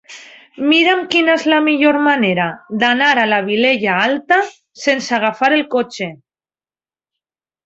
Mira'm quina és la millor manera d'anar a la Vilella Alta sense agafar el cotxe.